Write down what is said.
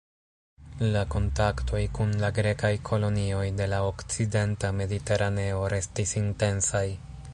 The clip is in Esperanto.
La kontaktoj kun la grekaj kolonioj de la okcidenta mediteraneo restis intensaj.